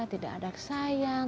tidak ada sayang